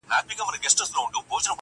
o د شلو کارگانو علاج يوه ډبره ده٫